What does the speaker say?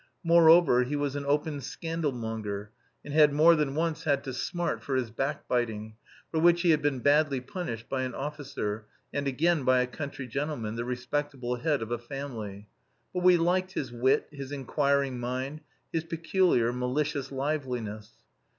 Moreover, he was a scandal monger, and had more than once had to smart for his back biting, for which he had been badly punished by an officer, and again by a country gentleman, the respectable head of a family. But we liked his wit, his inquiring mind, his peculiar, malicious liveliness.